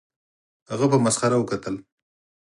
هغه په مسخره وکتل